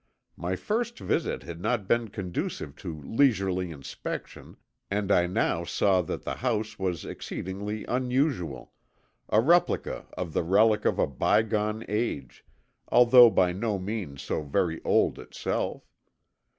My first visit had not been conducive to leisurely inspection and I now saw that the house was exceedingly unusual, a replica of the relic of a bygone age, although by no means so very old itself.